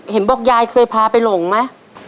บอกยายเคยพาไปหลงไหม